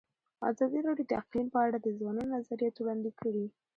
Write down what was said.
ازادي راډیو د اقلیم په اړه د ځوانانو نظریات وړاندې کړي.